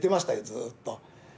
ずっと。